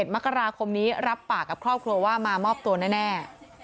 มกราคมนี้รับปากกับครอบครัวว่ามามอบตัวแน่